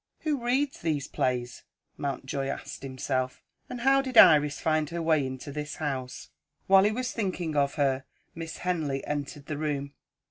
"Who reads these plays?" Mountjoy asked himself. "And how did Iris find her way into this house?" While he was thinking of her, Miss Henley entered the room.